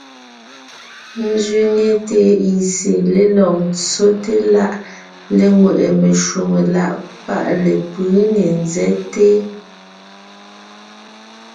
Ńzẅíŋe TIC lélɔg ńtsóte láʼ léŋweʼe meshwóŋè láʼ páʼ lepʉ̌ ne ńzɛ́te.